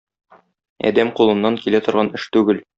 Адәм кулыннан килә торган эш түгел.